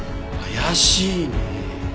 怪しいね。